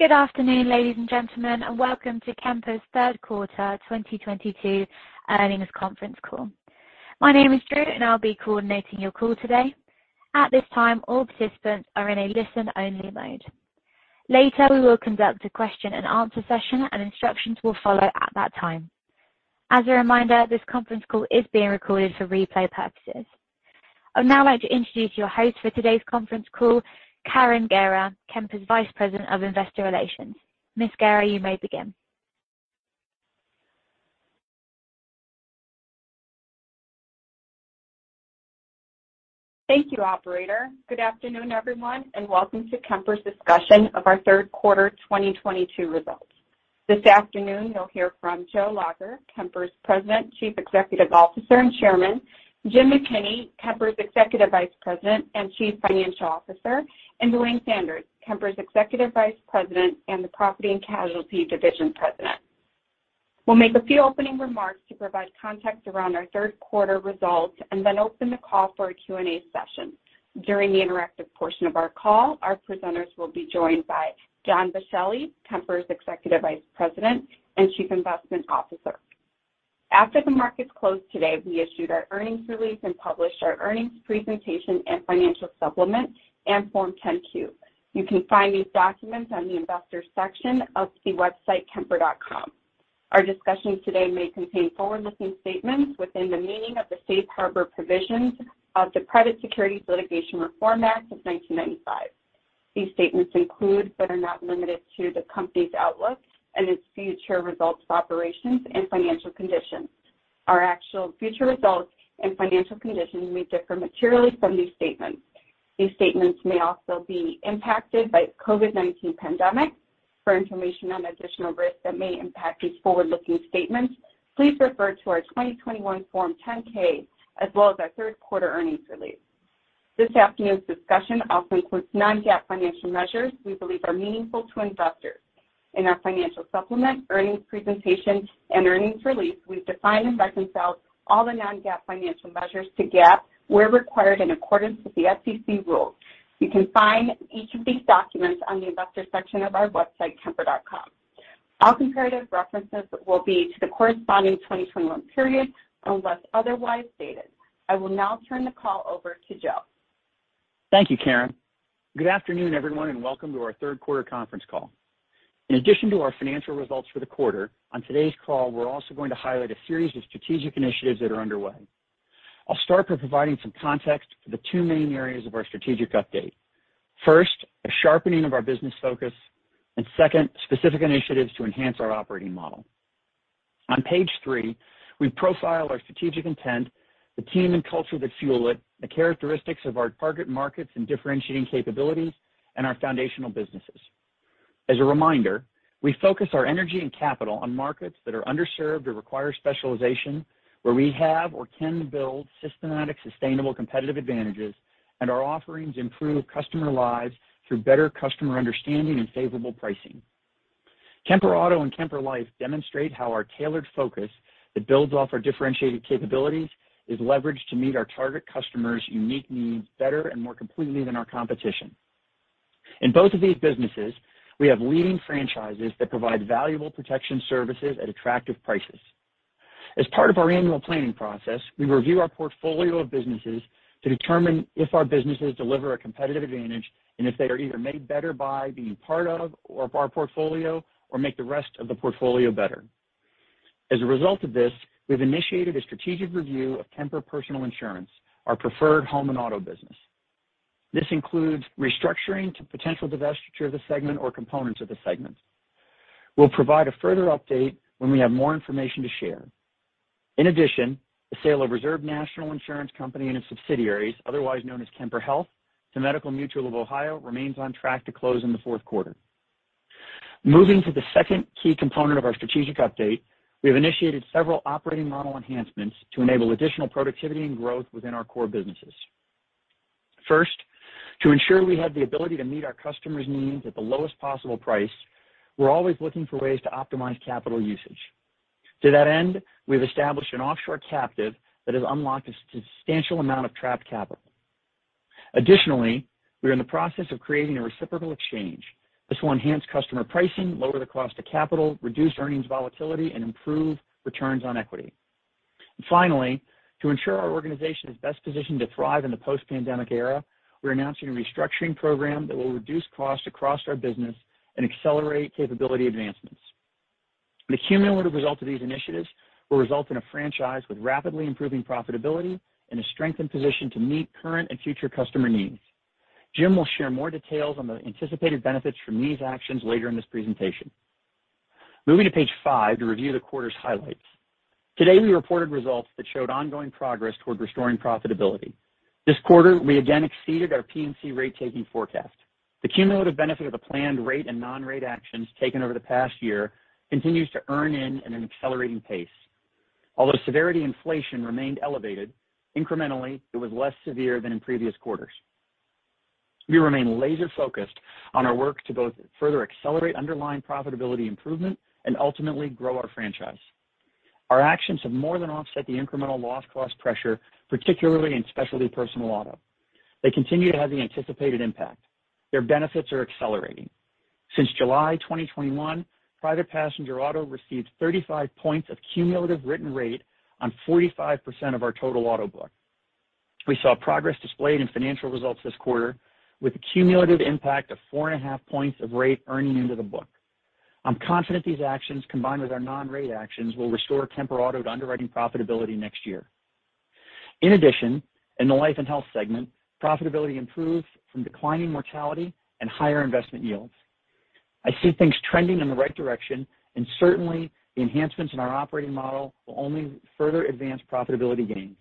Good afternoon, ladies and gentlemen, and welcome to Kemper's Third Quarter 2022 Earnings Conference Call. My name is Drew, and I'll be coordinating your call today. At this time, all participants are in a listen-only mode. Later, we will conduct a Question-and-Answer Session, and instructions will follow at that time. As a reminder, this conference call is being recorded for replay purposes. I'd now like to introduce your host for today's conference call, Karen Guerra, Kemper's Vice President of Investor Relations. Ms. Guerra, you may begin. Thank you, operator. Good afternoon, everyone, and welcome to Kemper's discussion of our third quarter 2022 results. This afternoon, you'll hear from Joe Lacher, Kemper's President, Chief Executive Officer, and Chairman. Jim McKinney, Kemper's Executive Vice President and Chief Financial Officer. Duane Sanders, Kemper's Executive Vice President and the Property and Casualty Division President. We'll make a few opening remarks to provide context around our third quarter results and then open the call for a Q&A session. During the interactive portion of our call, our presenters will be joined by John Boschelli, Kemper's Executive Vice President and Chief Investment Officer. After the markets closed today, we issued our earnings release and published our earnings presentation and financial supplement and Form 10-Q. You can find these documents on the investor section of the website kemper.com. Our discussions today may contain forward-looking statements within the meaning of the Safe Harbor provisions of the Private Securities Litigation Reform Act of 1995. These statements include, but are not limited to, the company's outlook and its future results of operations and financial conditions. Our actual future results and financial conditions may differ materially from these statements. These statements may also be impacted by COVID-19 pandemic. For information on additional risks that may impact these forward-looking statements, please refer to our 2021 Form 10-K as well as our third quarter earnings release. This afternoon's discussion also includes non-GAAP financial measures we believe are meaningful to investors. In our financial supplement, earnings presentation, and earnings release, we've defined and reconciled all the non-GAAP financial measures to GAAP where required in accordance with the SEC rules. You can find each of these documents on the investor section of our website, kemper.com. All comparative references will be to the corresponding 2021 period unless otherwise stated. I will now turn the call over to Joe. Thank you, Karen. Good afternoon, everyone, and welcome to our third quarter conference call. In addition to our financial results for the quarter, on today's call, we're also going to highlight a series of strategic initiatives that are underway. I'll start by providing some context for the two main areas of our strategic update. First, a sharpening of our business focus, and second, specific initiatives to enhance our operating model. On page three, we profile our strategic intent, the team and culture that fuel it, the characteristics of our target markets and differentiating capabilities, and our foundational businesses. As a reminder, we focus our energy and capital on markets that are underserved or require specialization, where we have or can build systematic, sustainable competitive advantages, and our offerings improve customer lives through better customer understanding and favorable pricing. Kemper Auto and Kemper Life demonstrate how our tailored focus that builds off our differentiated capabilities is leveraged to meet our target customers' unique needs better and more completely than our competition. In both of these businesses, we have leading franchises that provide valuable protection services at attractive prices. As part of our annual planning process, we review our portfolio of businesses to determine if our businesses deliver a competitive advantage, and if they are either made better by being part of or of our portfolio or make the rest of the portfolio better. As a result of this, we've initiated a strategic review of Kemper Personal Insurance, our preferred home and auto business. This includes restructuring to potential divestiture of the segment or components of the segment. We'll provide a further update when we have more information to share. In addition, the sale of Reserve National Insurance Company and its subsidiaries, otherwise known as Kemper Health, to Medical Mutual of Ohio remains on track to close in the fourth quarter. Moving to the second key component of our strategic update, we have initiated several operating model enhancements to enable additional productivity and growth within our core businesses. First, to ensure we have the ability to meet our customers' needs at the lowest possible price, we're always looking for ways to optimize capital usage. To that end, we've established an offshore captive that has unlocked a substantial amount of trapped capital. Additionally, we are in the process of creating a reciprocal exchange. This will enhance customer pricing, lower the cost of capital, reduce earnings volatility, and improve returns on equity. Finally, to ensure our organization is best positioned to thrive in the post-pandemic era, we're announcing a restructuring program that will reduce costs across our business and accelerate capability advancements. The cumulative result of these initiatives will result in a franchise with rapidly improving profitability and a strengthened position to meet current and future customer needs. Jim will share more details on the anticipated benefits from these actions later in this presentation. Moving to page five to review the quarter's highlights. Today, we reported results that showed ongoing progress toward restoring profitability. This quarter, we again exceeded our P&C rate taking forecast. The cumulative benefit of the planned rate and non-rate actions taken over the past year continues to earn in at an accelerating pace. Although severity inflation remained elevated, incrementally it was less severe than in previous quarters. We remain laser-focused on our work to both further accelerate underlying profitability improvement and ultimately grow our franchise. Our actions have more than offset the incremental loss cost pressure, particularly in specialty personal auto. They continue to have the anticipated impact. Their benefits are accelerating. Since July 2021, private passenger auto received 35 points of cumulative written rate on 45% of our total auto book. We saw progress displayed in financial results this quarter, with a cumulative impact of 4.5 points of rate earning into the book. I'm confident these actions, combined with our non-rate actions, will restore Kemper Auto to underwriting profitability next year. In addition, in the Life and Health segment, profitability improved from declining mortality and higher investment yields. I see things trending in the right direction, and certainly, the enhancements in our operating model will only further advance profitability gains.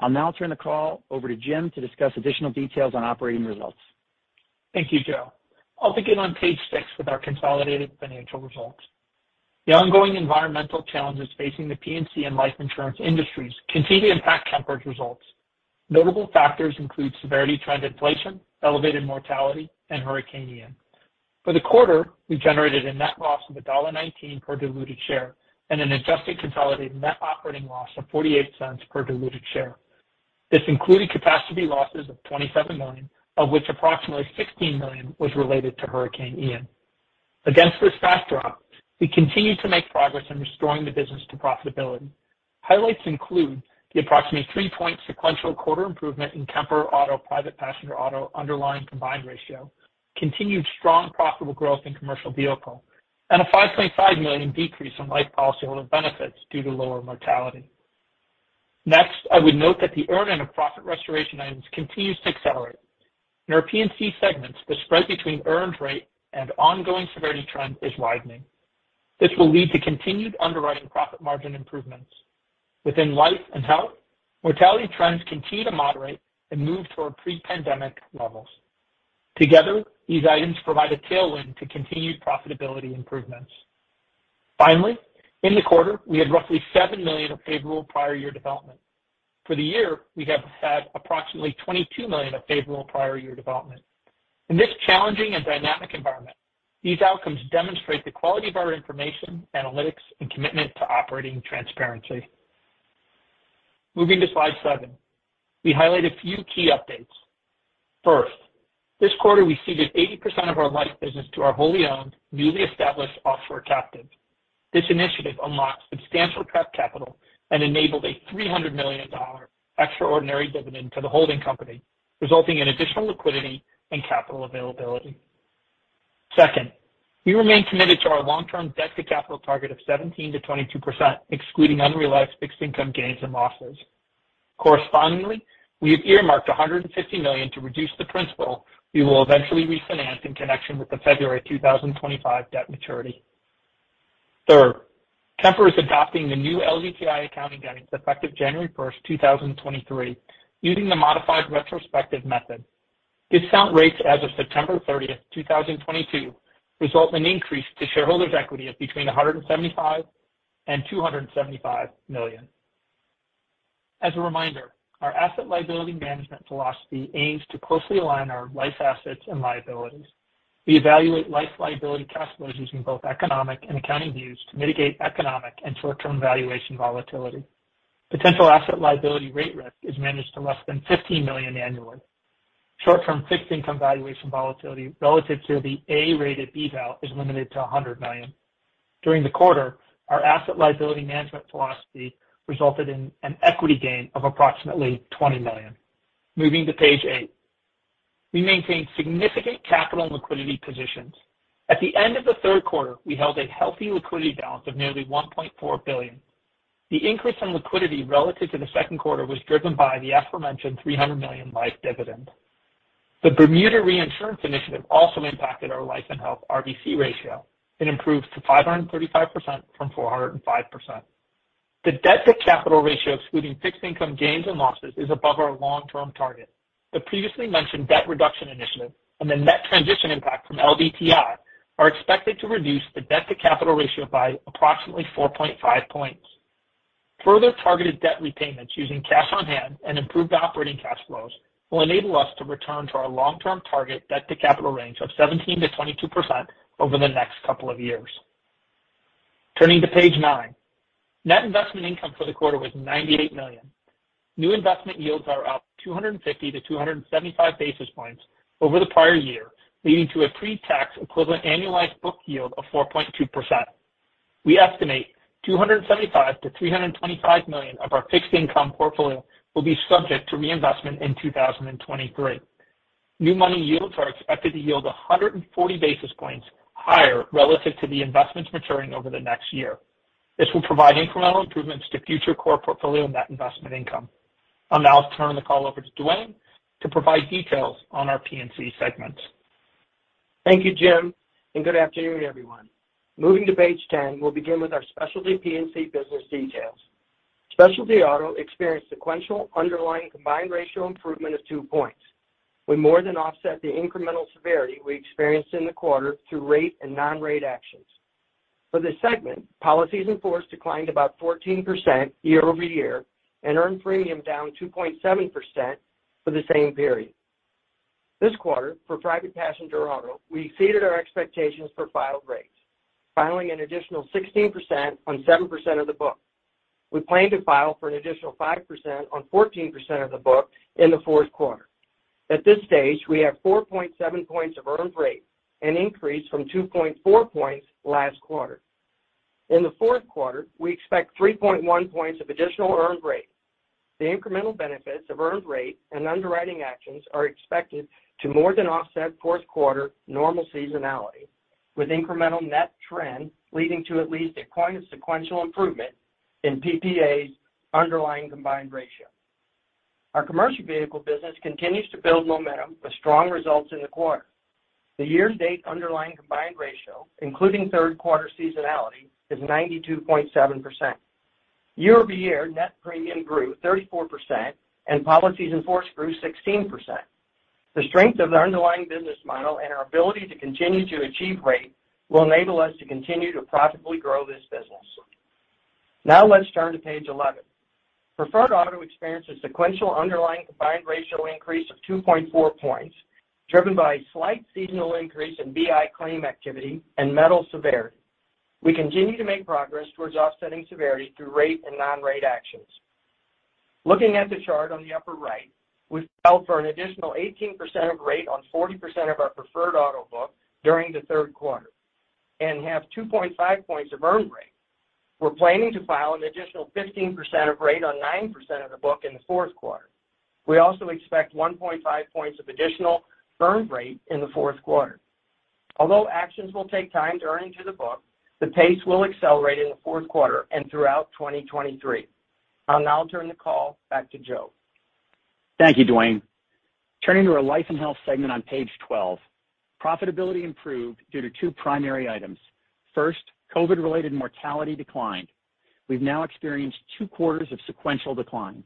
I'll now turn the call over to Jim to discuss additional details on operating results. Thank you, Joe. I'll begin on page six with our consolidated financial results. The ongoing environmental challenges facing the P&C and life insurance industries continue to impact Kemper's results. Notable factors include severity trend inflation, elevated mortality, and Hurricane Ian. For the quarter, we generated a net loss of $1.19 per diluted share and an adjusted consolidated net operating loss of $0.48 per diluted share. This included catastrophe losses of $27 million, of which approximately $16 million was related to Hurricane Ian. Against this backdrop, we continue to make progress in restoring the business to profitability. Highlights include the approximate three-point sequential quarter improvement in Kemper Auto private passenger auto underlying combined ratio, continued strong profitable growth in commercial vehicle, and a $5.5 million decrease in life policyholder benefits due to lower mortality. Next, I would note that the earn in of profit restoration items continues to accelerate. In our P&C segments, the spread between earned rate and ongoing severity trend is widening. This will lead to continued underwriting profit margin improvements. Within life and health, mortality trends continue to moderate and move toward pre-pandemic levels. Together, these items provide a tailwind to continued profitability improvements. Finally, in the quarter, we had roughly $7 million of favorable prior year development. For the year, we have had approximately $22 million of favorable prior year development. In this challenging and dynamic environment, these outcomes demonstrate the quality of our information, analytics, and commitment to operating transparency. Moving to slide seven, we highlight a few key updates. First, this quarter, we ceded 80% of our life business to our wholly owned, newly established off-shore captive. This initiative unlocks substantial trapped capital and enabled a $300 million extraordinary dividend to the holding company, resulting in additional liquidity and capital availability. Second, we remain committed to our long-term debt to capital target of 17%-22%, excluding unrealized fixed income gains and losses. Correspondingly, we have earmarked $150 million to reduce the principal we will eventually refinance in connection with the February 2025 debt maturity. Third, Kemper is adopting the new LDTI accounting guidance effective 1 January 2023, using the modified retrospective method. Its discount rates as of 30 September 2022, result in increase to shareholders' equity of between $175 million and $275 million. As a reminder, our asset liability management philosophy aims to closely align our life assets and liabilities. We evaluate life liability cash flows using both economic and accounting views to mitigate economic and short-term valuation volatility. Potential asset liability rate risk is managed to less than $15 million annually. Short-term fixed income valuation volatility relative to the A-rated eval is limited to $100 million. During the quarter, our asset liability management philosophy resulted in an equity gain of approximately $20 million. Moving to page eight. We maintain significant capital and liquidity positions. At the end of the third quarter, we held a healthy liquidity balance of nearly $1.4 billion. The increase in liquidity relative to the second quarter was driven by the aforementioned $300 million life dividend. The Bermuda reinsurance initiative also impacted our life and health RBC ratio. It improved to 535% from 405%. The debt-to-capital ratio, excluding fixed income gains and losses, is above our long-term target. The previously mentioned debt reduction initiative and the net transition impact from LDTI are expected to reduce the debt-to-capital ratio by approximately 4.5 points. Further targeted debt repayments using cash on hand and improved operating cash flows will enable us to return to our long-term target debt-to-capital range of 17%-22% over the next couple of years. Turning to page nine. Net investment income for the quarter was $98 million. New investment yields are up 250-275 basis points over the prior year, leading to a pre-tax equivalent annualized book yield of 4.2%. We estimate $275 million-$325 million of our fixed income portfolio will be subject to reinvestment in 2023. New money yields are expected to yield 140 basis points higher relative to the investments maturing over the next year. This will provide incremental improvements to future core portfolio net investment income. I'll now turn the call over to Duane to provide details on our P&C segments. Thank you, Jim, and good afternoon, everyone. Moving to page 10, we'll begin with our specialty P&C business details. Specialty Auto experienced sequential underlying combined ratio improvement of two points. We more than offset the incremental severity we experienced in the quarter through rate and non-rate actions. For this segment, policies in force declined about 14% year-over-year and earned premium down 2.7% for the same period. This quarter for private passenger auto, we exceeded our expectations for filed rates, filing an additional 16% on 7% of the book. We plan to file for an additional 5% on 14% of the book in the fourth quarter. At this stage, we have 4.7 points of earned rate, an increase from 2.4 points last quarter. In the fourth quarter, we expect 3.1 points of additional earned rate. The incremental benefits of earned rate and underwriting actions are expected to more than offset fourth quarter normal seasonality, with incremental net trend leading to at least quite a sequential improvement in PPA's underlying combined ratio. Our commercial vehicle business continues to build momentum with strong results in the quarter. The year-to-date underlying combined ratio, including third quarter seasonality, is 92.7%. Year-over-year net premium grew 34% and policies in force grew 16%. The strength of the underlying business model and our ability to continue to achieve rate will enable us to continue to profitably grow this business. Now let's turn to page 11. Preferred auto experienced a sequential underlying combined ratio increase of 2.4 points, driven by a slight seasonal increase in BI claim activity and medical severity. We continue to make progress towards offsetting severity through rate and non-rate actions. Looking at the chart on the upper right, we filed for an additional 18% of rate on 40% of our preferred auto book during the third quarter and have 2.5 points of earned rate. We're planning to file an additional 15% of rate on 9% of the book in the fourth quarter. We also expect 1.5 points of additional earned rate in the fourth quarter. Although actions will take time to earn into the book, the pace will accelerate in the fourth quarter and throughout 2023. I'll now turn the call back to Joe. Thank you, Duane. Turning to our life and health segment on page 12. Profitability improved due to two primary items. First, COVID-related mortality declined. We've now experienced two quarters of sequential decline.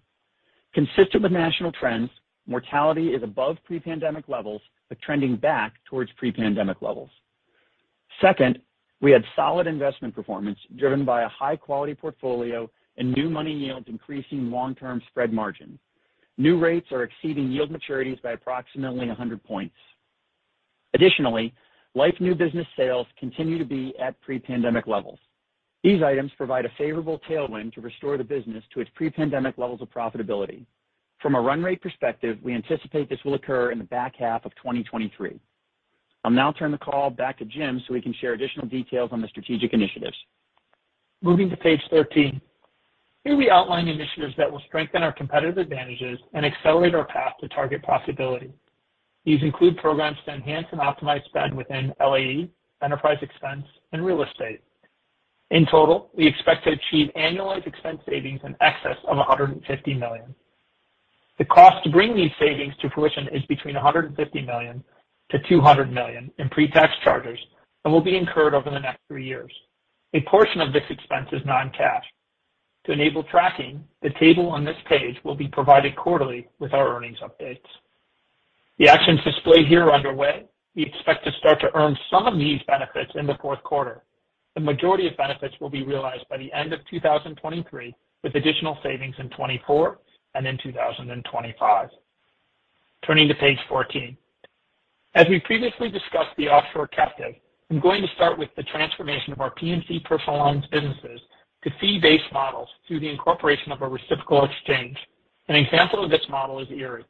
Consistent with national trends, mortality is above pre-pandemic levels, but trending back towards pre-pandemic levels. Second, we had solid investment performance driven by a high-quality portfolio and new money yields increasing long-term spread margin. New rates are exceeding yield maturities by approximately 100 points. Additionally, life new business sales continue to be at pre-pandemic levels. These items provide a favorable tailwind to restore the business to its pre-pandemic levels of profitability. From a run rate perspective, we anticipate this will occur in the back half of 2023. I'll now turn the call back to Jim, so he can share additional details on the strategic initiatives. Moving to page 13. Here we outline initiatives that will strengthen our competitive advantages and accelerate our path to target profitability. These include programs to enhance and optimize spend within LAE, enterprise expense, and real estate. In total, we expect to achieve annualized expense savings in excess of $150 million. The cost to bring these savings to fruition is between $150 million to $200 million in pre-tax charges and will be incurred over the next three years. A portion of this expense is non-cash. To enable tracking, the table on this page will be provided quarterly with our earnings updates. The actions displayed here are underway. We expect to start to earn some of these benefits in the fourth quarter. The majority of benefits will be realized by the end of 2023, with additional savings in 2024 and in 2025. Turning to page 14. As we previously discussed the offshore captive, I'm going to start with the transformation of our P&C personal lines businesses to fee-based models through the incorporation of a reciprocal exchange. An example of this model is Erie.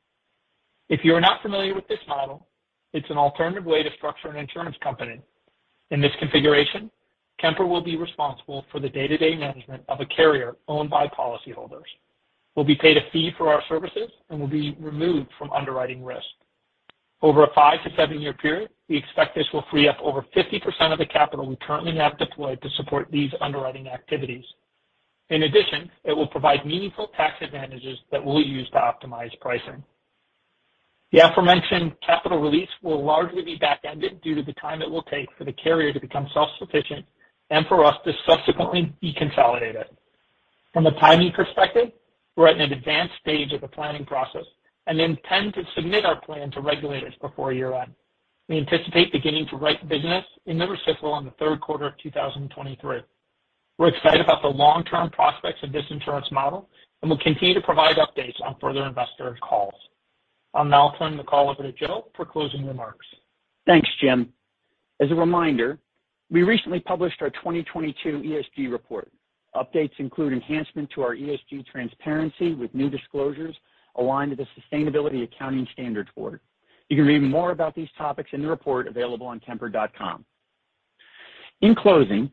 If you are not familiar with this model, it's an alternative way to structure an insurance company. In this configuration, Kemper will be responsible for the day-to-day management of a carrier owned by policyholders. We'll be paid a fee for our services and will be removed from underwriting risk. Over a five- to seven-year period, we expect this will free up over 50% of the capital we currently have deployed to support these underwriting activities. In addition, it will provide meaningful tax advantages that we'll use to optimize pricing. The aforementioned capital release will largely be back-ended due to the time it will take for the carrier to become self-sufficient and for us to subsequently deconsolidate it. From a timing perspective, we're at an advanced stage of the planning process and intend to submit our plan to regulators before year-end. We anticipate beginning to write business in the reciprocal in the third quarter of 2023. We're excited about the long-term prospects of this insurance model, and we'll continue to provide updates on further investor calls. I'll now turn the call over to Joe for closing remarks. Thanks, Jim. As a reminder, we recently published our 2022 ESG report. Updates include enhancement to our ESG transparency with new disclosures aligned to the Sustainability Accounting Standards Board. You can read more about these topics in the report available on kemper.com. In closing,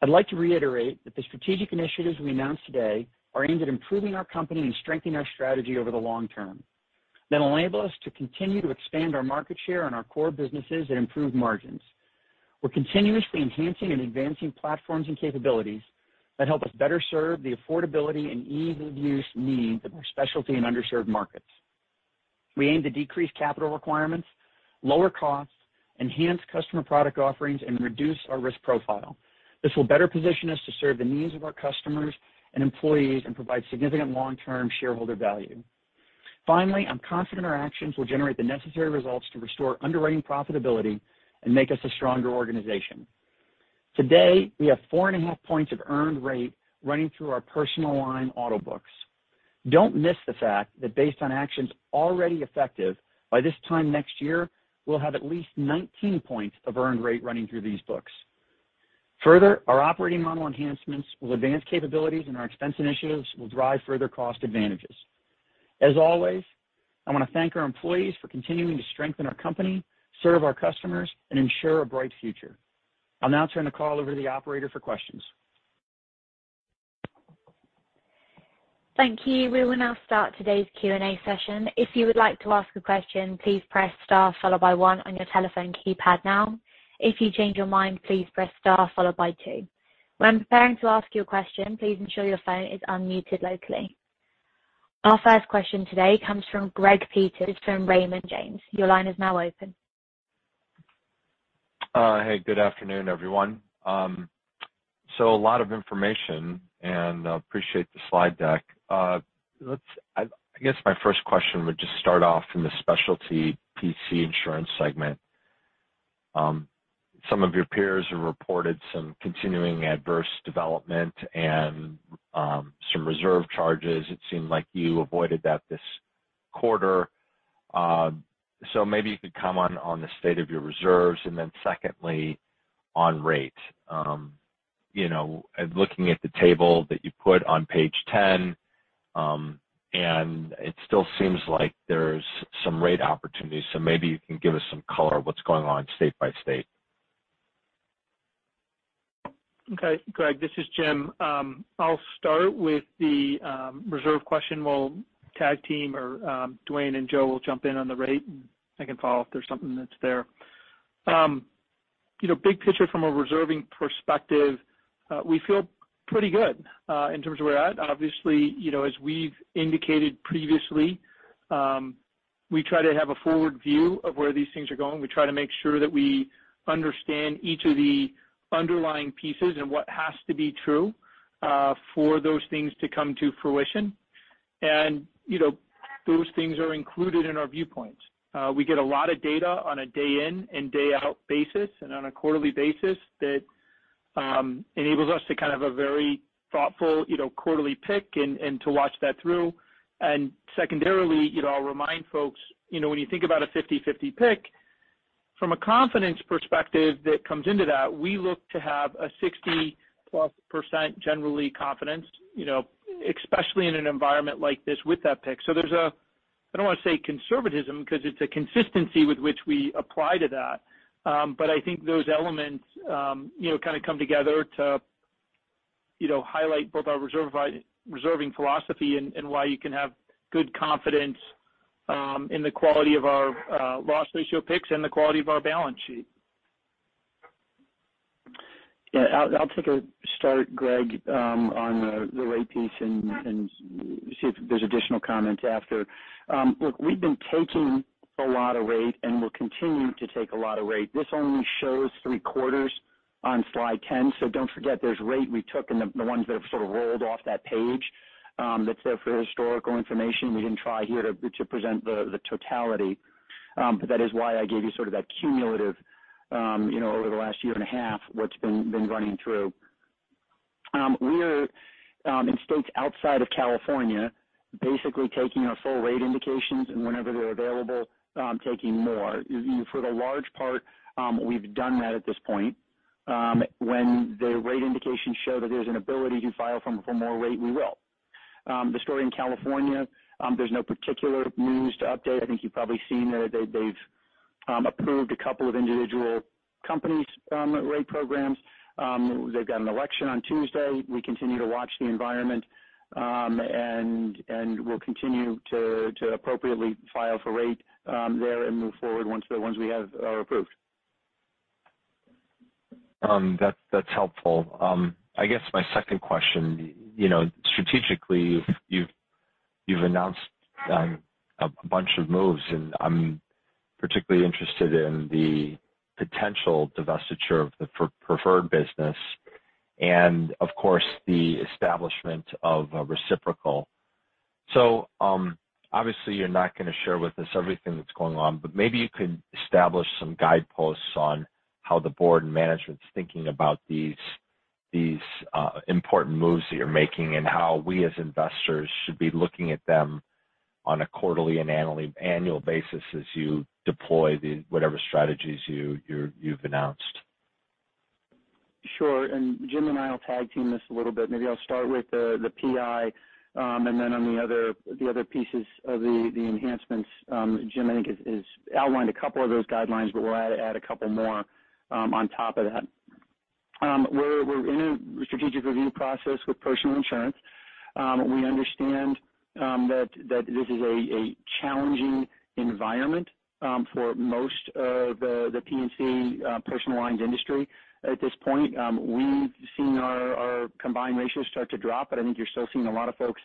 I'd like to reiterate that the strategic initiatives we announced today are aimed at improving our company and strengthening our strategy over the long term that enable us to continue to expand our market share in our core businesses and improve margins. We're continuously enhancing and advancing platforms and capabilities that help us better serve the affordability and ease of use needs of our specialty and underserved markets. We aim to decrease capital requirements, lower costs, enhance customer product offerings, and reduce our risk profile. This will better position us to serve the needs of our customers and employees and provide significant long-term shareholder value. Finally, I'm confident our actions will generate the necessary results to restore underwriting profitability and make us a stronger organization. Today, we have 4.5 points of earned rate running through our personal lines auto books. Don't miss the fact that based on actions already effective, by this time next year, we'll have at least 19 points of earned rate running through these books. Further, our operating model enhancements will advance capabilities, and our expense initiatives will drive further cost advantages. As always, I wanna thank our employees for continuing to strengthen our company, serve our customers, and ensure a bright future. I'll now turn the call over to the operator for questions. Thank you. We will now start today's Q&A session. If you would like to ask a question, please press star followed by one on your telephone keypad now. If you change your mind, please press star followed by two. When preparing to ask your question, please ensure your phone is unmuted locally. Our first question today comes from Greg Peters from Raymond James. Your line is now open. Hey, good afternoon, everyone. A lot of information, and appreciate the slide deck. I guess my first question would just start off in the specialty P&C insurance segment. Some of your peers have reported some continuing adverse development and some reserve charges. It seemed like you avoided that this quarter. Maybe you could comment on the state of your reserves, and then secondly, on rate. You know, looking at the table that you put on page 10, and it still seems like there's some rate opportunities. Maybe you can give us some color of what's going on state by state. Okay, Greg, this is Jim. I'll start with the reserve question. We'll tag team or Duane and Joe will jump in on the rate, and I can follow if there's something that's there. You know, big picture from a reserving perspective, we feel pretty good in terms of where we're at. Obviously, you know, as we've indicated previously, we try to have a forward view of where these things are going. We try to make sure that we understand each of the underlying pieces and what has to be true for those things to come to fruition. You know, those things are included in our viewpoints. We get a lot of data on a day in and day out basis and on a quarterly basis that enables us to kind of a very thoughtful, you know, quarterly pick and to watch that through. Secondarily, you know, I'll remind folks, you know, when you think about a 50-50 pick, from a confidence perspective that comes into that, we look to have a 60+% generally confidence, you know, especially in an environment like this with that pick. There's a, I don't wanna say conservatism because it's a consistency with which we apply to that. I think those elements, you know, kind of come together to, you know, highlight both our reserving philosophy and why you can have good confidence in the quality of our loss ratio picks and the quality of our balance sheet. Yeah. I'll take a start, Greg, on the rate piece and see if there's additional comments after. Look, we've been taking a lot of rate, and we're continuing to take a lot of rate. This only shows three quarters on slide 10, so don't forget there's rate we took and the ones that have sort of rolled off that page, that's there for historical information. We didn't try here to present the totality. That is why I gave you sort of that cumulative, you know, over the last year and a half, what's been running through. We're in states outside of California, basically taking our full rate indications and whenever they're available, taking more. For the large part, we've done that at this point. When the rate indications show that there's an ability to file for more rate, we will. The story in California, there's no particular news to update. I think you've probably seen that they've approved a couple of individual companies rate programs. They've got an election on Tuesday. We continue to watch the environment, and we'll continue to appropriately file for rate there and move forward once the ones we have are approved. That's helpful. I guess my second question, you know, strategically, you've announced a bunch of moves, and I'm particularly interested in the potential divestiture of the preferred business and of course, the establishment of a reciprocal. Obviously you're not gonna share with us everything that's going on, but maybe you could establish some guideposts on how the board and management's thinking about these important moves that you're making and how we as investors should be looking at them on a quarterly and annual basis as you deploy whatever strategies you've announced. Sure. Jim and I will tag team this a little bit. Maybe I'll start with the PI, and then on the other pieces of the enhancements, Jim, I think has outlined a couple of those guidelines, but we'll add a couple more on top of that. We're in a strategic review process with personal insurance. We understand that this is a challenging environment for most of the P&C personal lines industry at this point. We've seen our combined ratios start to drop, but I think you're still seeing a lot of folks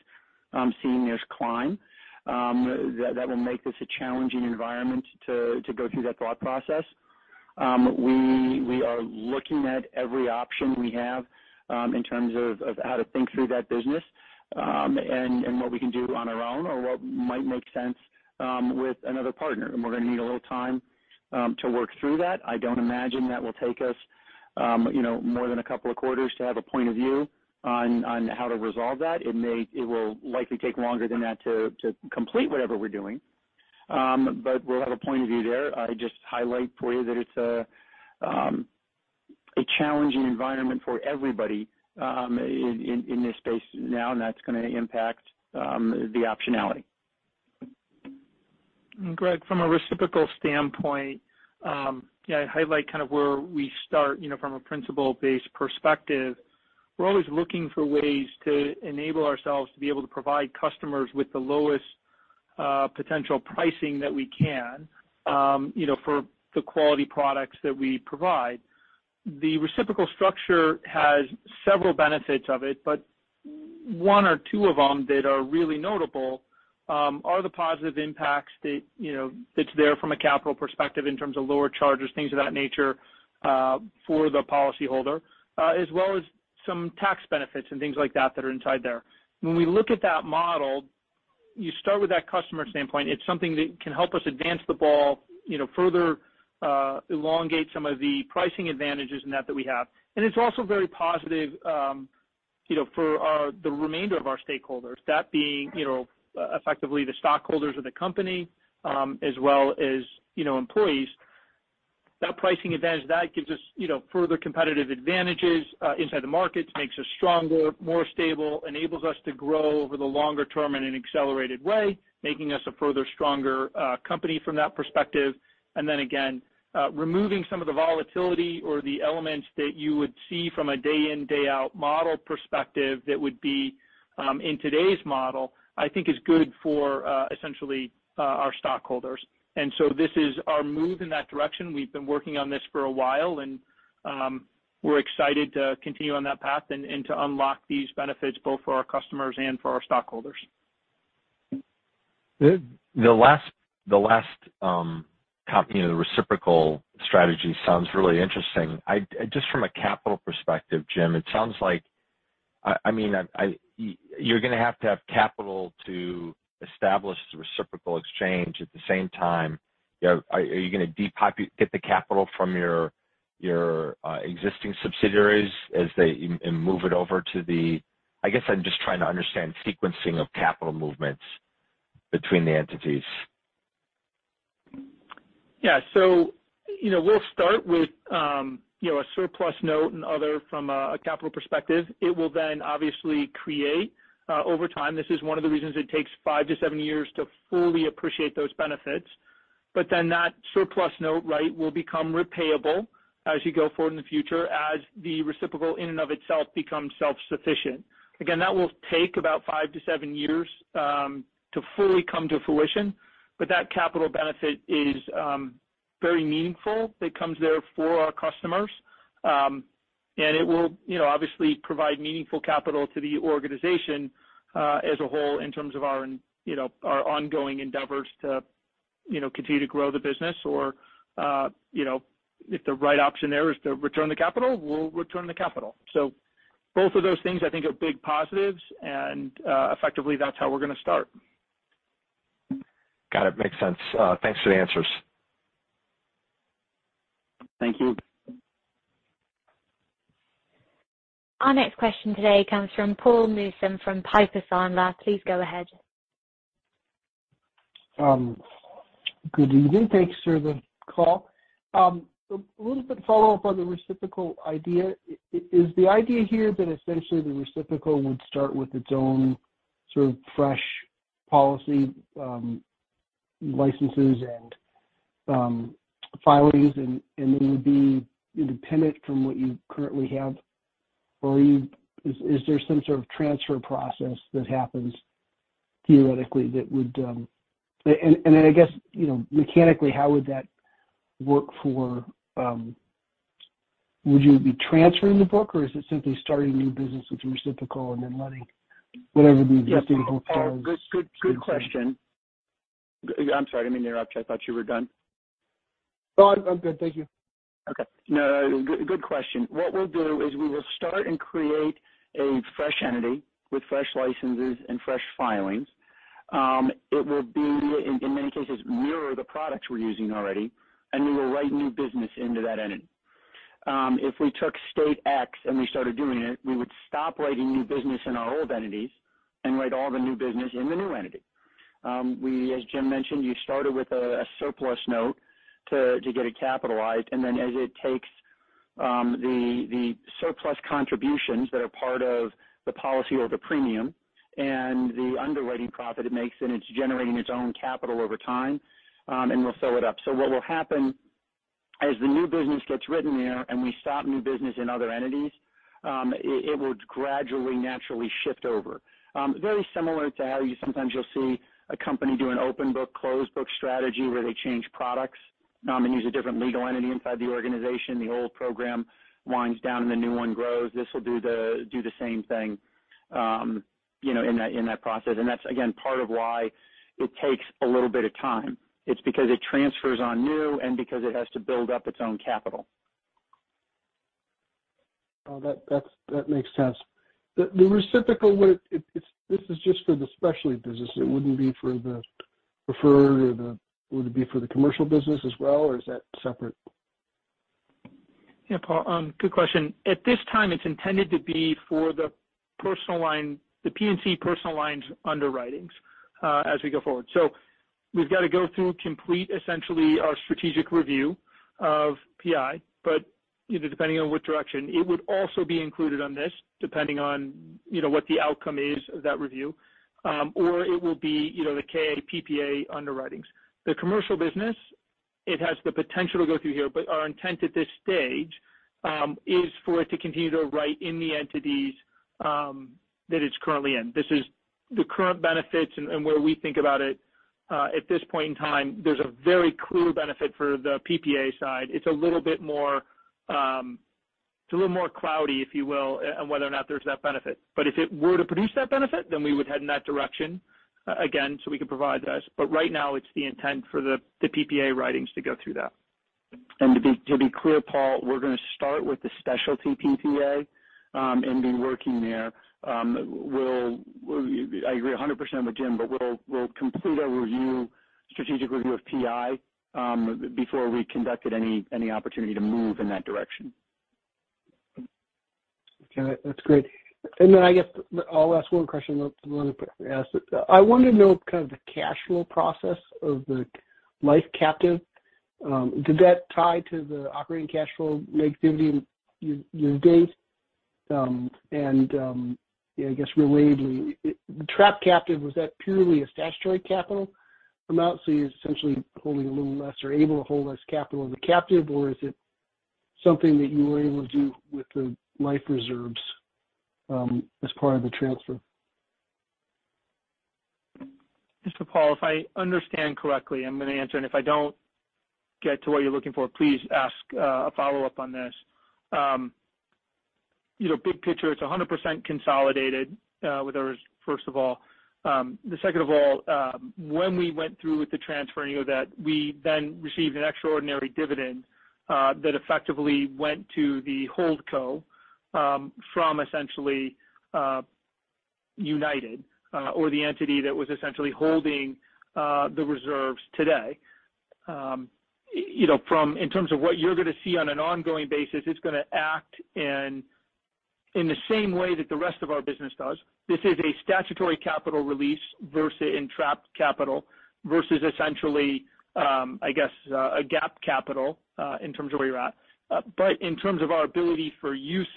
seeing theirs climb. That will make this a challenging environment to go through that thought process. We are looking at every option we have in terms of how to think through that business, and what we can do on our own or what might make sense with another partner. We're gonna need a little time. To work through that. I don't imagine that will take us, you know, more than a couple of quarters to have a point of view on how to resolve that. It will likely take longer than that to complete whatever we're doing. But we'll have a point of view there. I just highlight for you that it's a challenging environment for everybody in this space now, and that's gonna impact the optionality. Greg, from a reciprocal standpoint, I highlight kind of where we start, you know, from a principle-based perspective. We're always looking for ways to enable ourselves to be able to provide customers with the lowest potential pricing that we can, you know, for the quality products that we provide. The reciprocal structure has several benefits of it, but one or two of them that are really notable are the positive impacts that, you know, it's there from a capital perspective in terms of lower charges, things of that nature, for the policy holder, as well as some tax benefits and things like that that are inside there. When we look at that model, you start with that customer standpoint. It's something that can help us advance the ball, you know, further, elongate some of the pricing advantages in that we have. It's also very positive, you know, for the remainder of our stakeholders, that being, you know, effectively the stockholders of the company, as well as, you know, employees. That pricing advantage, that gives us, you know, further competitive advantages, inside the markets, makes us stronger, more stable, enables us to grow over the longer term in an accelerated way, making us a further stronger company from that perspective. Removing some of the volatility or the elements that you would see from a day in, day out model perspective that would be, in today's model, I think is good for, essentially, our stockholders. This is our move in that direction. We've been working on this for a while, and we're excited to continue on that path and to unlock these benefits both for our customers and for our stockholders. The last kind, you know, reciprocal strategy sounds really interesting. Just from a capital perspective, Jim, it sounds like I mean you're gonna have to have capital to establish the reciprocal exchange. At the same time, you know, are you gonna get the capital from your existing subsidiaries and move it over to the. I guess I'm just trying to understand sequencing of capital movements between the entities. Yeah. You know, we'll start with you know, a surplus note and other from a capital perspective. It will then obviously create over time. This is one of the reasons it takes five-seven years to fully appreciate those benefits. That surplus note, right, will become repayable as you go forward in the future, as the reciprocal in and of itself becomes self-sufficient. Again, that will take about five-seven years to fully come to fruition. That capital benefit is very meaningful. It comes there for our customers, and it will, you know, obviously provide meaningful capital to the organization, as a whole in terms of our, you know, our ongoing endeavors to, you know, continue to grow the business or, you know, if the right option there is to return the capital, we'll return the capital. Both of those things I think are big positives, and, effectively, that's how we're gonna start. Got it. Makes sense. Thanks for the answers. Thank you. Our next question today comes from Paul Newsome from Piper Sandler. Please go ahead. Good evening. Thanks for the call. A little bit follow-up on the reciprocal idea. Is the idea here that essentially the reciprocal would start with its own sort of fresh policy, licenses and filings, and it would be independent from what you currently have? Or is there some sort of transfer process that happens theoretically that would, and I guess, you know, mechanically, how would that work for, would you be transferring the book, or is it simply starting a new business with the reciprocal and then letting whatever the existing book does? Yes. Paul, good question. I'm sorry. I didn't mean to interrupt you. I thought you were done. No, I'm good. Thank you. Okay. No, good question. What we'll do is we will start and create a fresh entity with fresh licenses and fresh filings. It will be, in many cases, mirror the products we're using already, and we will write new business into that entity. If we took state X and we started doing it, we would stop writing new business in our old entities and write all the new business in the new entity. As Jim mentioned, it started with a surplus note to get it capitalized, and then as it takes the surplus contributions that are part of the policy or the premium and the underwriting profit it makes, then it's generating its own capital over time, and we'll fill it up. What will happen as the new business gets written there and we stop new business in other entities, it will gradually, naturally shift over. Very similar to how you sometimes see a company do an open book, closed book strategy where they change products, and use a different legal entity inside the organization. The old program winds down and the new one grows. This will do the same thing, you know, in that process. That's again, part of why it takes a little bit of time. It's because it transfers on new and because it has to build up its own capital. Oh, that makes sense. This is just for the specialty business. It wouldn't be for the preferred. Would it be for the commercial business as well, or is that separate? Yeah, Paul, good question. At this time, it's intended to be for the personal line, the P&C personal lines underwritings, as we go forward. We've got to go through complete essentially our strategic review of PI, but, you know, depending on what direction, it would also be included on this, depending on, you know, what the outcome is of that review. Or it will be, you know, the KA PPA underwritings. The commercial business, it has the potential to go through here, but our intent at this stage, is for it to continue to write in the entities, that it's currently in. This is the current benefits and where we think about it, at this point in time, there's a very clear benefit for the PPA side. It's a little bit more, it's a little more cloudy, if you will, on whether or not there's that benefit. But if it were to produce that benefit, then we would head in that direction again, so we could provide this. But right now, it's the intent for the PPA writings to go through that. To be clear, Paul, we're gonna start with the specialty PPA, and be working there. I agree 100% with Jim, but we'll complete our review, strategic review of PI, before we conducted any opportunity to move in that direction. Okay. That's great. I guess I'll ask one question. I wanted to know kind of the cash flow process of the life captive. Did that tie to the operating cash flow negative year-to-date? You know, I guess relatedly, trapped captive, was that purely a statutory capital amount, so you're essentially holding a little less or able to hold less capital in the captive or is it something that you were able to do with the life reserves, as part of the transfer? Paul, if I understand correctly, I'm gonna answer, and if I don't get to what you're looking for, please ask a follow-up on this. You know, big picture, it's 100% consolidated with ours, first of all. Then second of all, when we went through with the transfer, you know that we then received an extraordinary dividend that effectively went to the HoldCo from essentially United or the entity that was essentially holding the reserves today. You know, in terms of what you're gonna see on an ongoing basis, it's gonna act in the same way that the rest of our business does. This is a statutory capital release versus trapped capital versus essentially, I guess, a GAAP capital in terms of where you're at. In terms of our ability to use,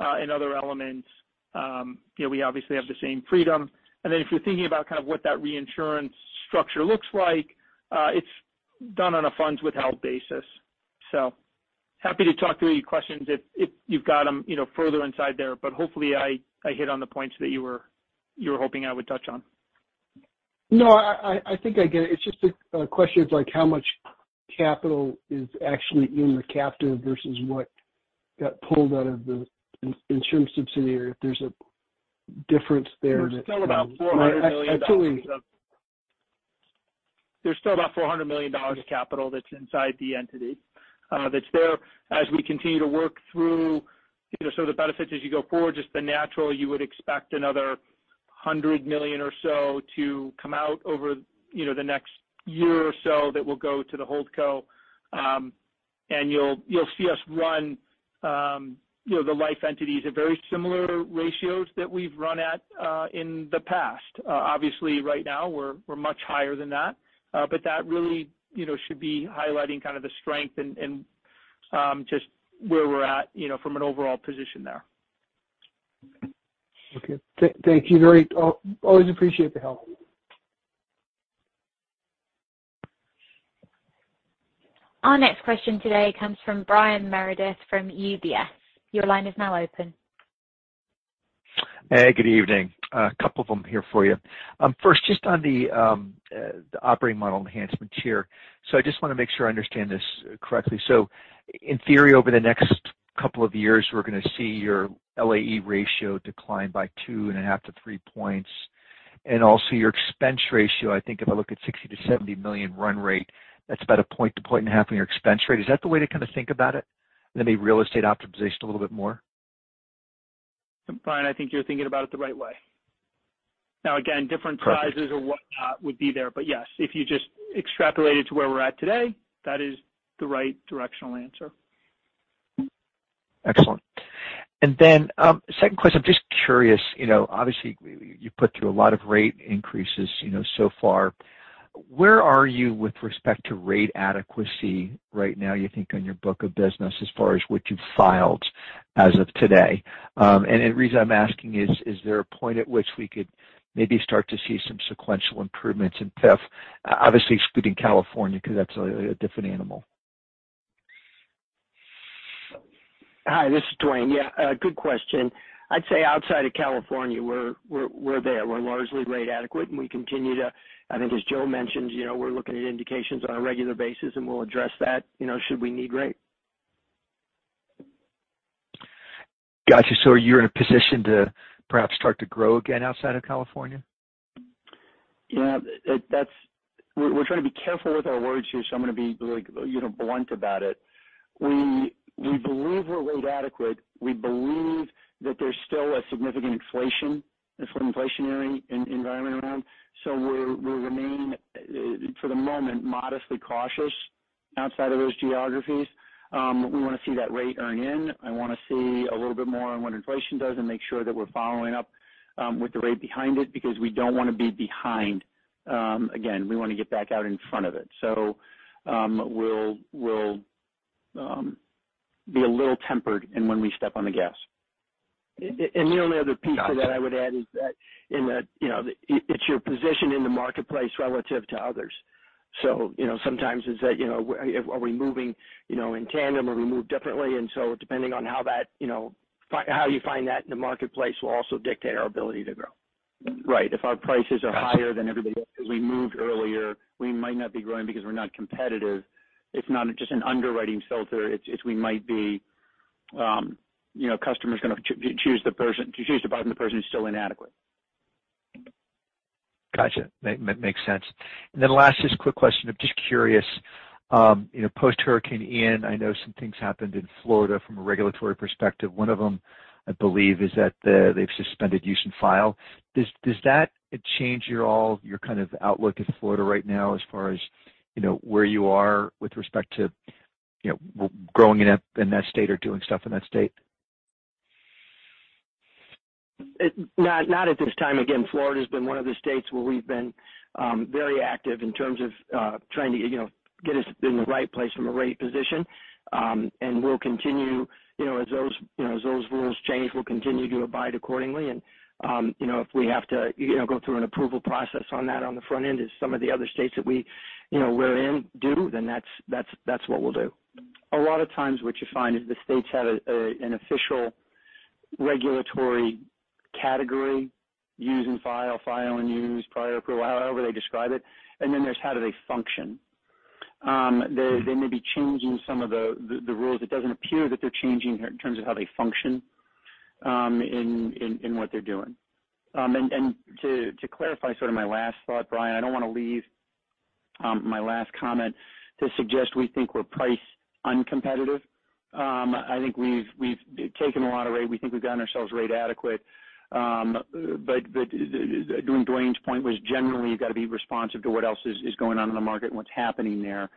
and other elements, you know, we obviously have the same freedom. If you're thinking about kind of what that reinsurance structure looks like, it's done on a funds withheld basis. Happy to talk through any questions if you've got them, you know, further inside there, but hopefully I hit on the points that you were hoping I would touch on. No, I think I get it. It's just a question of like how much capital is actually in the captive versus what got pulled out of the insurance subsidiary, if there's a difference there. There's still about $400 million of- Actually- There's still about $400 million of capital that's inside the entity, that's there. As we continue to work through, you know, some of the benefits as you go forward, just the natural, you would expect another $100 million or so to come out over, you know, the next year or so that will go to the HoldCo. And you'll see us run, you know, the life entities at very similar ratios that we've run at, in the past. Obviously right now we're much higher than that. But that really, you know, should be highlighting kind of the strength and just where we're at, you know, from an overall position there. Okay. Thank you. Always appreciate the help. Our next question today comes from Brian Meredith from UBS. Your line is now open. Hey, good evening. A couple of them here for you. First, just on the operating model enhancements here. I just wanna make sure I understand this correctly. In theory, over the next couple of years, we're gonna see your LAE ratio decline by 2.5-3 points, and also your expense ratio. I think if I look at $60 million-$70 million run rate, that's about a point to 1.5 points in your expense ratio. Is that the way to kinda think about it? Real estate optimization a little bit more. Brian, I think you're thinking about it the right way. Now, again, different sizes or whatnot would be there. Yes, if you just extrapolate it to where we're at today, that is the right directional answer. Excellent. Then second question, just curious, obviously you put through a lot of rate increases so far. Where are you with respect to rate adequacy right now, you think, on your book of business as far as what you've filed as of today? The reason I'm asking is there a point at which we could maybe start to see some sequential improvements in PIF, obviously excluding California because that's a different animal. Hi, this is Duane. Yeah, good question. I'd say outside of California, we're there. We're largely rate adequate, and we continue to, I think, as Joe mentioned, you know, we're looking at indications on a regular basis, and we'll address that, you know, should we need rate. Got you. You're in a position to perhaps start to grow again outside of California? Yeah, we're trying to be careful with our words here, so I'm gonna be like, you know, blunt about it. We believe we're rate adequate. We believe that there's still a significant inflationary environment around. We're remaining, for the moment, modestly cautious outside of those geographies. We wanna see that rate earn in. I wanna see a little bit more on what inflation does and make sure that we're following up with the rate behind it because we don't wanna be behind. Again, we wanna get back out in front of it. We'll be a little tempered in when we step on the gas. The only other piece to that I would add is that in that, you know, it's your position in the marketplace relative to others. You know, sometimes it's that, you know, are we moving, you know, in tandem? Are we moved differently? Depending on how that, you know, how you find that in the marketplace will also dictate our ability to grow. Right. If our prices are higher than everybody else because we moved earlier, we might not be growing because we're not competitive. It's not just an underwriting filter, it's we might be, you know, customers gonna choose the person to choose the product of the person who's still inadequate. Gotcha. Makes sense. Last, just quick question. I'm just curious. You know, post Hurricane Ian, I know some things happened in Florida from a regulatory perspective. One of them, I believe, is that they've suspended use and file. Does that change your kind of outlook in Florida right now as far as, you know, where you are with respect to, you know, growing up in that state or doing stuff in that state? Not at this time. Again, Florida's been one of the states where we've been very active in terms of trying to, you know, get us in the right place from a rate position. We'll continue, you know, as those rules change, to abide accordingly. You know, if we have to, you know, go through an approval process on that on the front end as some of the other states that we, you know, we're in do, then that's what we'll do. A lot of times what you find is the states have a an official regulatory category, use and file and use, prior approval, however they describe it, and then there's how they function. They may be changing some of the rules. It doesn't appear that they're changing here in terms of how they function in what they're doing. To clarify sort of my last thought, Brian, I don't wanna leave my last comment to suggest we think we're price uncompetitive. I think we've taken a lot of rate. We think we've gotten ourselves rate adequate. During Duane's point was generally, you've got to be responsive to what else is going on in the market and what's happening there.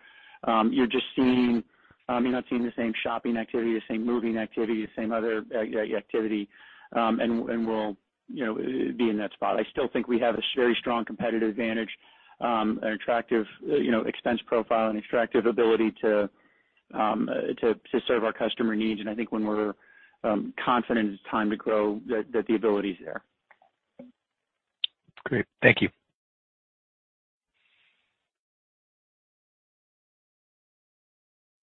You're just seeing you're not seeing the same shopping activity, the same moving activity, the same other activity, and we'll you know be in that spot. I still think we have a very strong competitive advantage, an attractive you know expense profile and attractive ability to to serve our customer needs. I think when we're confident it's time to grow that the ability's there. Great. Thank you.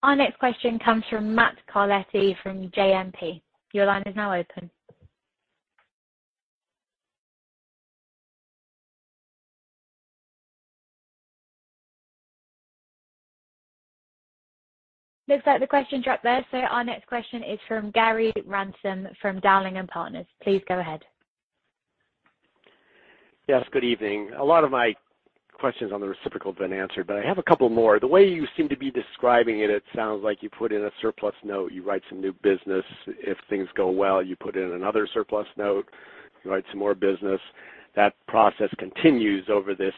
Our next question comes from Matt Carletti from JMP. Your line is now open. Looks like the question dropped there. Our next question is from Gary Ransom from Dowling & Partners. Please go ahead. Yes, good evening. A lot of my questions on the reciprocal have been answered, but I have a couple more. The way you seem to be describing it sounds like you put in a surplus note, you write some new business. If things go well, you put in another surplus note, you write some more business. That process continues over this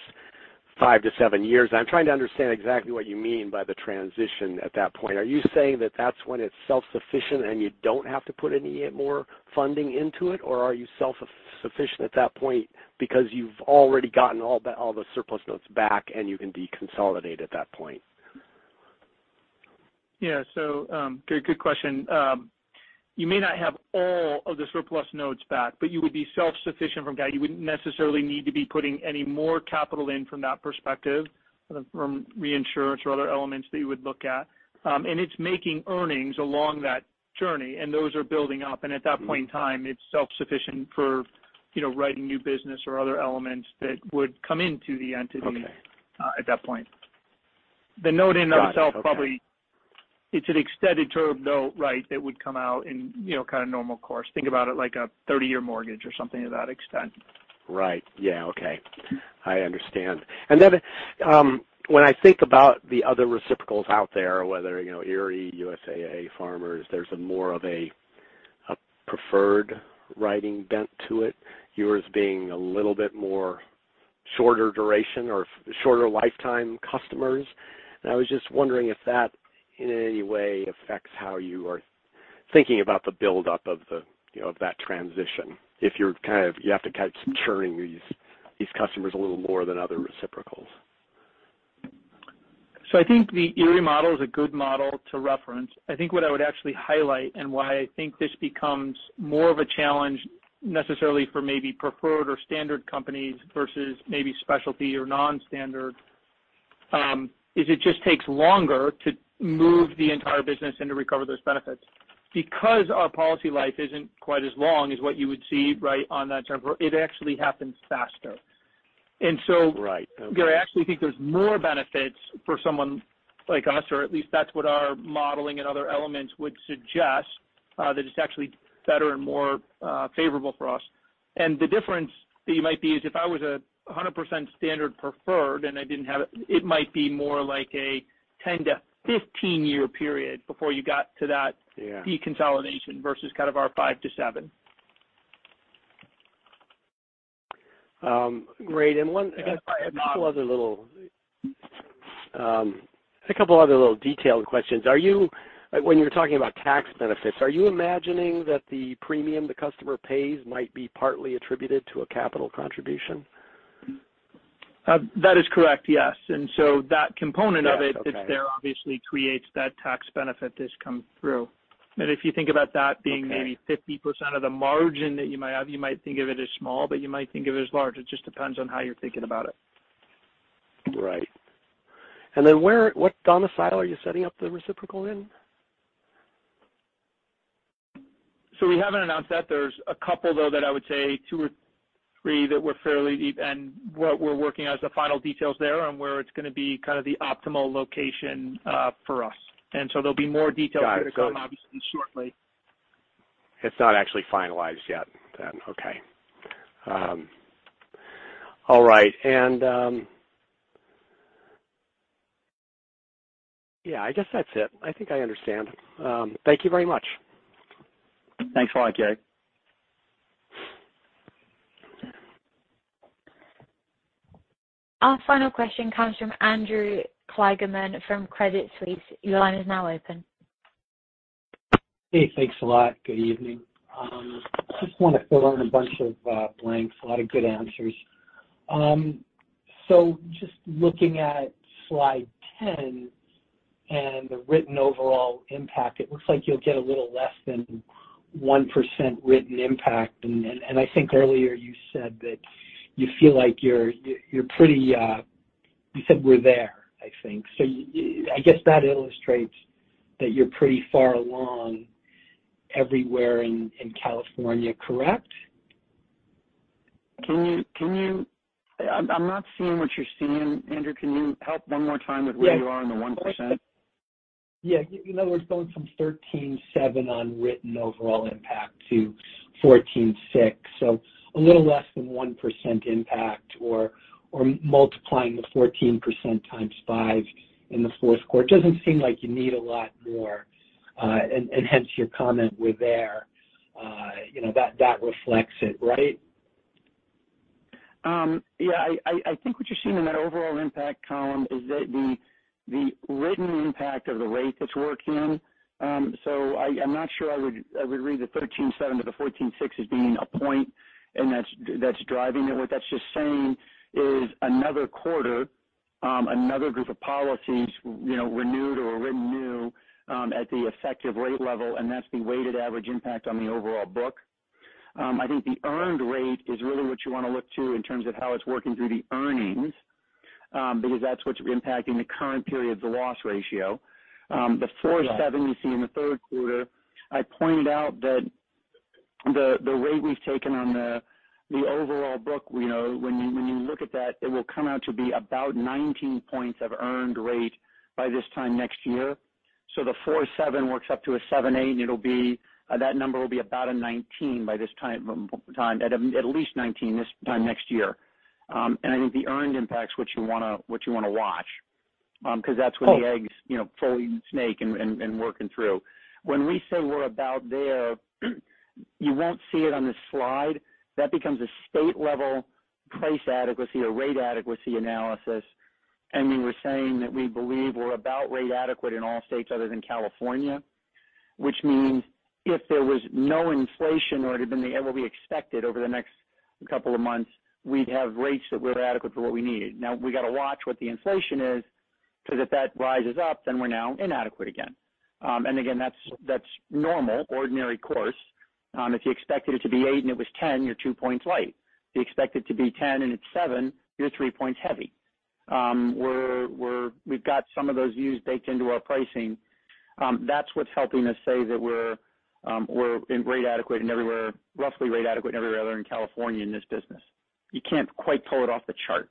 five-seven years. I'm trying to understand exactly what you mean by the transition at that point. Are you saying that that's when it's self-sufficient and you don't have to put any more funding into it? Or are you self-sufficient at that point because you've already gotten all the surplus notes back and you can deconsolidate at that point? Yeah. Good question. You may not have all of the surplus notes back, but you would be self-sufficient from that. You wouldn't necessarily need to be putting any more capital in from that perspective, from reinsurance or other elements that you would look at. It's making earnings along that journey, and those are building up. At that point in time, it's self-sufficient for, you know, writing new business or other elements that would come into the entity. Okay. At that point. The note in itself probably. Got it. Okay. It's an extended term note, right? That would come out in, you know, kind of normal course. Think about it like a 30-year mortgage or something of that extent. Right. Yeah. Okay. I understand. When I think about the other reciprocals out there, whether, you know, Erie, USAA, Farmers, there's more of a preferred writing bent to it, yours being a little bit more shorter duration or shorter lifetime customers. I was just wondering if that in any way affects how you are thinking about the buildup of the, you know, of that transition, if you're kind of you have to kind of churn these customers a little more than other reciprocals. I think the Erie model is a good model to reference. I think what I would actually highlight and why I think this becomes more of a challenge necessarily for maybe preferred or standard companies versus maybe specialty or non-standard, is it just takes longer to move the entire business and to recover those benefits. Because our policy life isn't quite as long as what you would see, right, on that term, it actually happens faster. Right. Okay. I actually think there's more benefits for someone like us, or at least that's what our modeling and other elements would suggest, that it's actually better and more favorable for us. The difference that you might see is if I was 100% standard preferred and I didn't have it might be more like a 10-15-year period before you got to that. Yeah. deconsolidation versus kind of our five-seven. Great. I have two other little, a couple other little detailed questions. When you're talking about tax benefits, are you imagining that the premium the customer pays might be partly attributed to a capital contribution? That is correct, yes. That component of it. Yes. Okay. That's there obviously creates that tax benefit that's come through. If you think about that being- Okay. Maybe 50% of the margin that you might have, you might think of it as small, but you might think of it as large. It just depends on how you're thinking about it. Right. What domicile are you setting up the reciprocal in? We haven't announced that. There's a couple, though, that I would say two or three that we're fairly deep, and what we're working out is the final details there on where it's gonna be kind of the optimal location for us. There'll be more details here to come obviously shortly. It's not actually finalized yet then. Okay. All right. Yeah, I guess that's it. I think I understand. Thank you very much. Thanks a lot, Gary. Our final question comes from Andrew Kligerman from Credit Suisse. Your line is now open. Hey. Thanks a lot. Good evening. Just want to fill in a bunch of blanks. A lot of good answers. Just looking at slide 10 and the written overall impact, it looks like you'll get a little less than 1% written impact. I think earlier you said that you feel like you're pretty. You said, "We're there," I think. I guess that illustrates that you're pretty far along everywhere in California, correct? I'm not seeing what you're seeing, Andrew. Can you help one more time with where you are in the 1%? Yeah. In other words, going from 13.7% on written overall impact to 14.6%. A little less than 1% impact or multiplying the 14% times five in the fourth quarter. It doesn't seem like you need a lot more, and hence your comment, we're there. You know, that reflects it, right? Yeah. I think what you're seeing in that overall impact column is that the written impact of the rate that's working. I'm not sure I would read the 13.7 to the 14.6 as being a point, and that's driving it. What that's just saying is another quarter, another group of policies, you know, renewed or written new, at the effective rate level, and that's the weighted average impact on the overall book. I think the earned rate is really what you want to look to in terms of how it's working through the earnings, because that's what's impacting the current period, the loss ratio. The 4.7 you see in the third quarter, I pointed out that the rate we've taken on the overall book, you know, when you look at that, it will come out to be about 19 points of earned rate by this time next year. So the 4.7 works up to a 7.8, and it'll be that number will be about a 19 by this time, at least 19 this time next year. I think the earned impact is what you wanna watch, because that's when the eggs, you know, fully baked and working through. When we say we're about there, you won't see it on this slide. That becomes a state-level price adequacy or rate adequacy analysis. We were saying that we believe we're about rate adequate in all states other than California, which means if there was no inflation or it had been what we expected over the next couple of months, we'd have rates that were adequate for what we needed. Now, we got to watch what the inflation is because if that rises up, then we're now inadequate again. Again, that's normal, ordinary course. If you expected it to be eight and it was 10, you're two points light. If you expect it to be 10 and it's seven, you're three points heavy. We've got some of those views baked into our pricing. That's what's helping us say that we're roughly rate adequate everywhere other than California in this business. You can't quite pull it off the chart.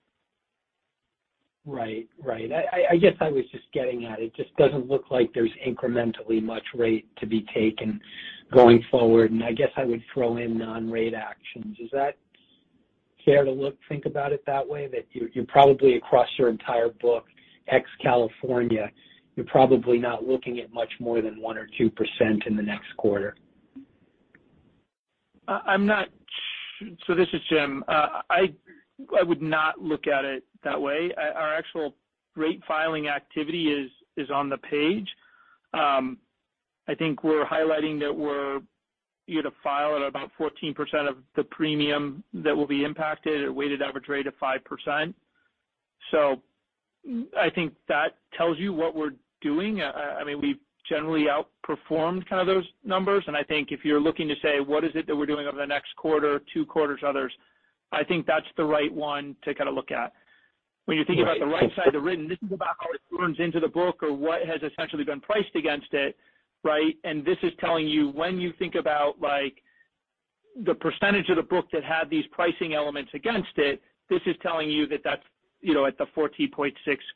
Right. I guess I was just getting at, it just doesn't look like there's incrementally much rate to be taken going forward. I guess I would throw in non-rate actions. Is that fair to think about it that way, that you're probably across your entire book, ex California, you're probably not looking at much more than 1% or 2% in the next quarter. This is Jim. I would not look at it that way. Our actual rate filing activity is on the page. I think we're highlighting that we're filing at about 14% of the premium that will be impacted, a weighted average rate of 5%. I think that tells you what we're doing. I mean, we've generally outperformed kind of those numbers. I think if you're looking to say, what is it that we're doing over the next quarter, two quarters or so, I think that's the right one to kind of look at. When you think about the right side of the written, this is about how it earns into the book or what has essentially been priced against it, right? This is telling you when you think about like. The percentage of the book that had these pricing elements against it, this is telling you that that's, you know, at the 14.6%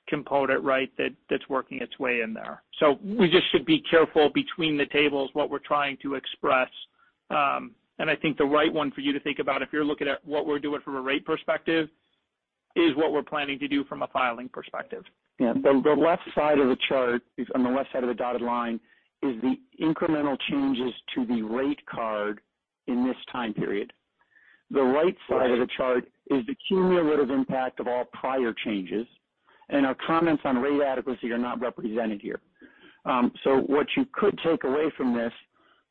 component, right, that's working its way in there. We just should be careful between the tables what we're trying to express. I think the right one for you to think about if you're looking at what we're doing from a rate perspective is what we're planning to do from a filing perspective. Yeah. The left side of the chart is on the left side of the dotted line is the incremental changes to the rate card in this time period. The right side. Right. of the chart is the cumulative impact of all prior changes. Our comments on rate adequacy are not represented here. What you could take away from this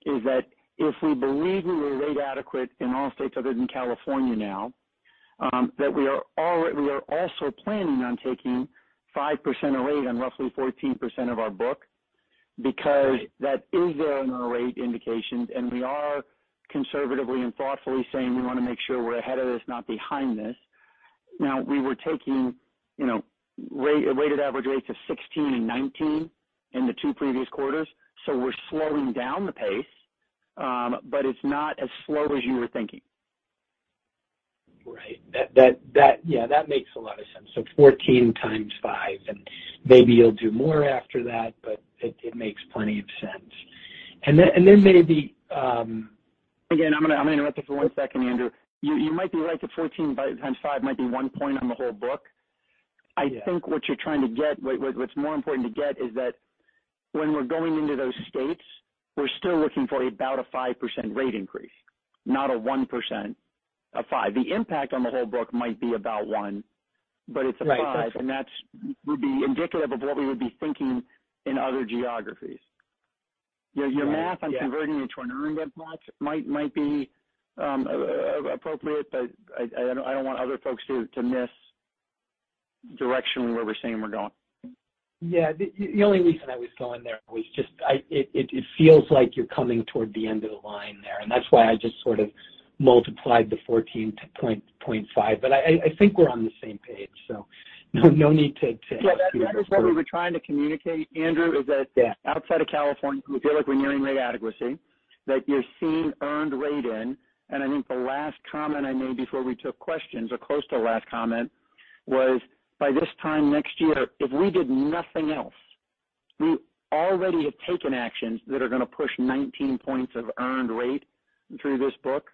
is that if we believe we were rate adequate in all states other than California now, we are also planning on taking 5% rate on roughly 14% of our book because that is there in our rate indications, and we are conservatively and thoughtfully saying we wanna make sure we're ahead of this, not behind this. Now, we were taking, you know, rated average rates of 16% and 19% in the two previous quarters. We're slowing down the pace, but it's not as slow as you were thinking. Right. That yeah, that makes a lot of sense. 14 times five, and maybe you'll do more after that, but it makes plenty of sense. Then maybe, I'm gonna interrupt you for one second, Andrew. You might be right, the 14 BI times five might be one point on the whole book. Yeah. I think what you're trying to get, what's more important to get is that when we're going into those states, we're still looking for about a 5% rate increase, not a 1%, a 5. The impact on the whole book might be about 1, but it's a 5. Right. That's what. That would be indicative of what we would be thinking in other geographies. Right. Yeah. Your math on converting it to an earned impact might be appropriate, but I don't want other folks to miss direction where we're saying we're going. Yeah. The only reason I was going there was just it feels like you're coming toward the end of the line there, and that's why I just sort of multiplied the 14.5. I think we're on the same page, so no need to. Yeah, that is what we were trying to communicate, Andrew, is that. Yeah. Outside of California, we feel like we're nearing rate adequacy, that you're seeing earned rate in. I think the last comment I made before we took questions or close to the last comment was, by this time next year, if we did nothing else, we already have taken actions that are gonna push 19 points of earned rate through this book.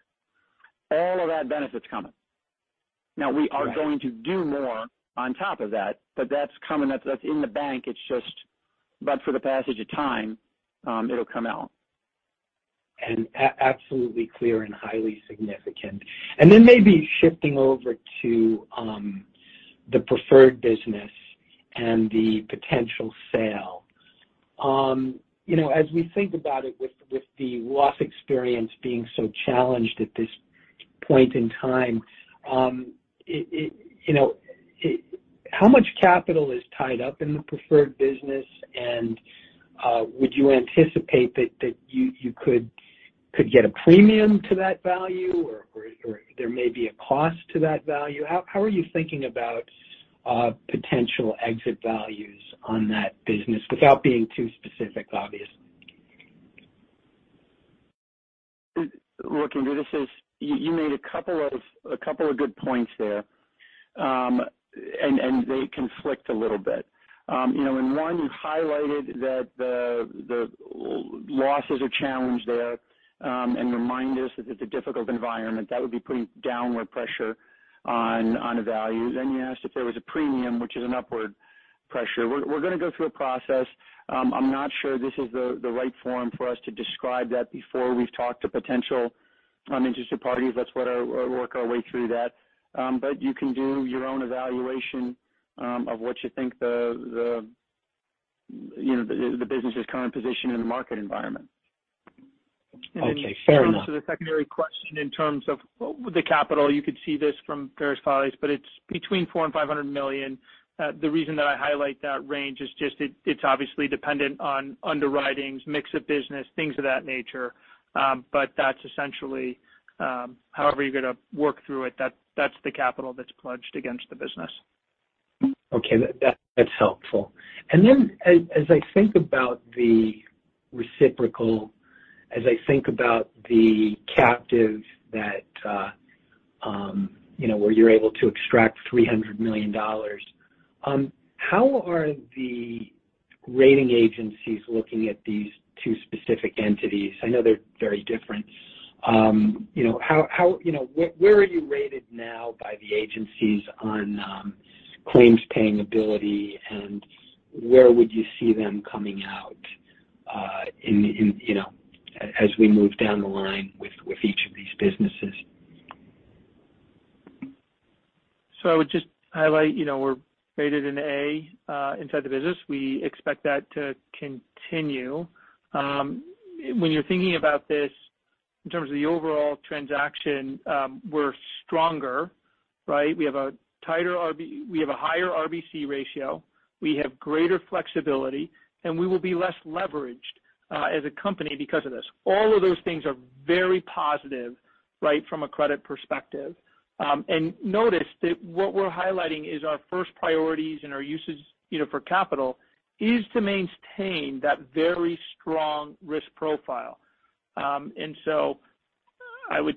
All of that benefit's coming. Right. Now, we are going to do more on top of that, but that's coming. That's in the bank. It's just but for the passage of time, it'll come out. Absolutely clear and highly significant. Maybe shifting over to the preferred business and the potential sale. You know, as we think about it with the loss experience being so challenged at this point in time. How much capital is tied up in the preferred business? Would you anticipate that you could get a premium to that value or there may be a cost to that value? How are you thinking about potential exit values on that business without being too specific, obviously? Look, Andrew. You made a couple of good points there. They conflict a little bit. You know, in one, you highlighted that the losses are challenged there, and remind us that it's a difficult environment that would be putting downward pressure on the values. You asked if there was a premium, which is an upward pressure. We're gonna go through a process. I'm not sure this is the right forum for us to describe that before we've talked to potential interested parties. We'll work our way through that. You can do your own evaluation of what you think the you know the business' current position in the market environment. Okay. Fair enough. In response to the secondary question in terms of the capital, you could see this from various filings, but it's between $400 million-$500 million. The reason that I highlight that range is it's obviously dependent on underwritings, mix of business, things of that nature. That's essentially however you're gonna work through it, that's the capital that's pledged against the business. Okay. That's helpful. As I think about the reciprocal, as I think about the captive that you know where you're able to extract $300 million, how are the rating agencies looking at these two specific entities? I know they're very different. You know, how you know where are you rated now by the agencies on claims-paying ability, and where would you see them coming out in you know as we move down the line with each of these businesses? I would just highlight, you know, we're rated an A inside the business. We expect that to continue. When you're thinking about this in terms of the overall transaction, we're stronger, right? We have a higher RBC ratio, we have greater flexibility, and we will be less leveraged as a company because of this. All of those things are very positive, right, from a credit perspective. Notice that what we're highlighting is our first priorities and our uses, you know, for capital is to maintain that very strong risk profile. I would,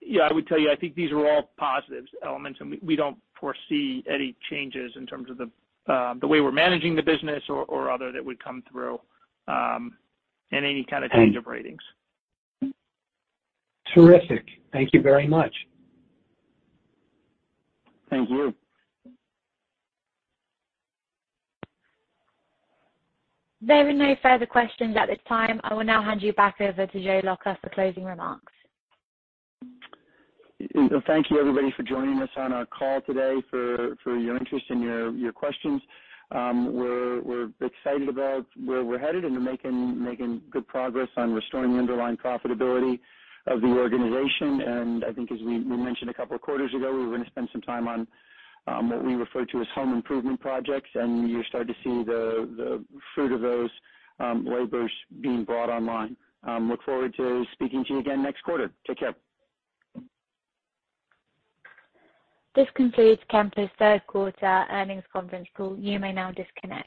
yeah, I would tell you, I think these are all positive elements, and we don't foresee any changes in terms of the way we're managing the business or other that would come through in any kind of change of ratings. Terrific. Thank you very much. Thank you. There are no further questions at this time. I will now hand you back over to Joe Lacher for closing remarks. Thank you, everybody, for joining us on our call today, for your interest and your questions. We're excited about where we're headed and we're making good progress on restoring the underlying profitability of the organization. I think as we mentioned a couple of quarters ago, we were gonna spend some time on what we refer to as home improvement projects, and you're starting to see the fruit of those labors being brought online. Look forward to speaking to you again next quarter. Take care. This concludes Kemper's Third Quarter Earnings Conference Call. You may now disconnect.